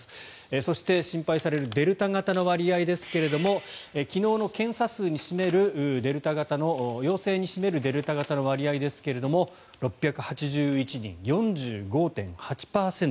そして、心配されるデルタ型の割合ですが昨日の検査数に占める陽性に占めるデルタ型の割合ですが６８１人、４５．８％。